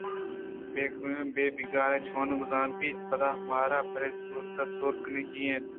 بے پگارءَ چوں گزران بیت ءُپدا مارا پرے زوتاں سور کنگی اِنت